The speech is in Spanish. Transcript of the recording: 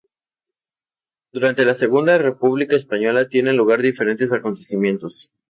Durante la Segunda República Española tienen lugar diferentes acontecimientos.